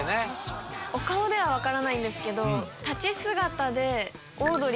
お顔では分からないんですけど立ち姿で。